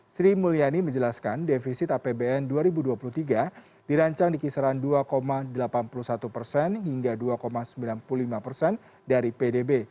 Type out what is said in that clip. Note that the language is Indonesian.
sri mulyani menjelaskan defisit apbn dua ribu dua puluh tiga dirancang di kisaran dua delapan puluh satu persen hingga dua sembilan puluh lima persen dari pdb